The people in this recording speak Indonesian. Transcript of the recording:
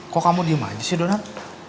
kok kamu diem aja sih donat